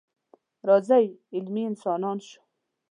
راځئ عملي انسانان شو.